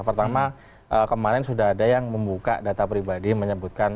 pertama kemarin sudah ada yang membuka data pribadi menyebutkan